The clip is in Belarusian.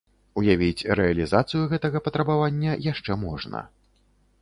Уявіць рэалізацыю гэтага патрабавання яшчэ можна.